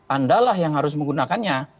andalah yang harus menggunakannya